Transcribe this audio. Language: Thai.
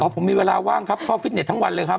ผมมีเวลาว่างครับเข้าฟิตเต็ทั้งวันเลยครับ